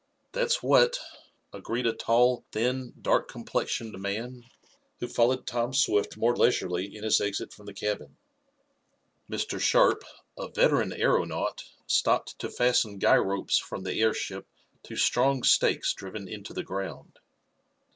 "That's what," agreed a tall, thin, dark complexioned man, who followed Tom Swift more leisurely in his exit from the cabin. Mr. Sharp, a veteran aeronaut, stopped to fasten guy ropes from the airship to strong stakes driven into the ground.